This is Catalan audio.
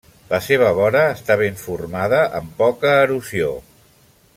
La seva vora està ben formada, amb poca erosió.